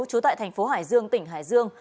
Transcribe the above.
trú tại thành phố hải dương tỉnh hải dương